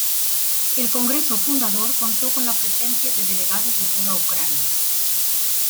El congreso fundador contó con la presencia de delegados de toda Ucrania.